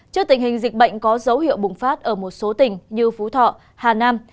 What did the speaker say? trước tình hình dịch bệnh có dấu hiệu bùng phát ở một số tỉnh như phú thọ hà nam